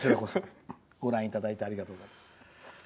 ご覧いただいてありがとうございます。